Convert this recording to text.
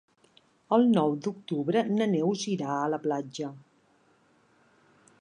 El nou d'octubre na Neus irà a la platja.